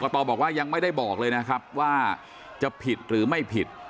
ตอบอกว่ายังไม่ได้บอกเลยนะครับว่าจะผิดหรือไม่ผิด